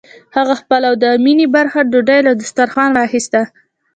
هغه خپله او د مينې برخه ډوډۍ له دسترخوانه واخيسته.